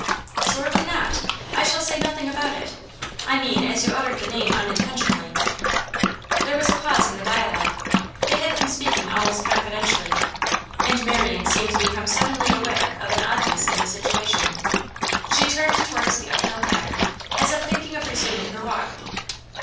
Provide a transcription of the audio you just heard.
'Surely not. I shall say nothing about it; I mean, as you uttered the name unintentionally.' There was a pause in the dialogue. They had been speaking almost confidentially, and Marian seemed to become suddenly aware of an oddness in the situation. She turned towards the uphill path, as if thinking of resuming her walk.